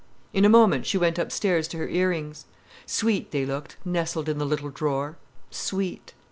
In a moment she went upstairs to her ear rings. Sweet they looked nestling in the little drawer—sweet!